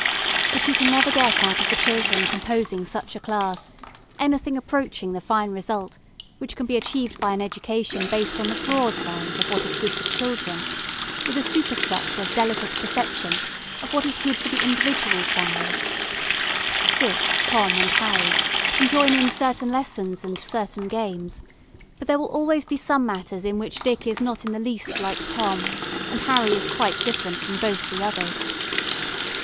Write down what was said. But you can never get out of the children composing such a class anything approaching the fine result which can be achieved by an education based on the broad lines of what is good for children, with a superstructure of delicate perception of what is good for the individual child. Dick, Tom, and Harry can join in certain lessons and certain games, but there will always be some matters in which Dick is not in the least like Tom, and Harry is quite different from both the others.